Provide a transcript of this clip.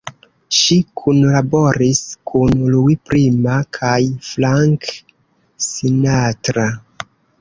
Ŝi kunlaboris kun Louis Prima kaj Frank Sinatra.